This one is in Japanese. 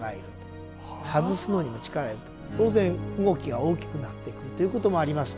当然動きが大きくなってくるということもありまして